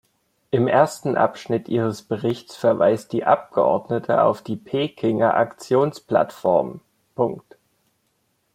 Im ersten Abschnitt ihres Berichts verweist die Abgeordnete auf die Pekinger Aktionsplattform.